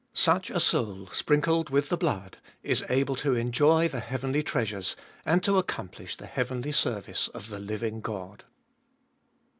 Such a soul, sprinhled with the blood, is able to enjoy the heavenly treasures, and to accomplish the heavenly service of the living God."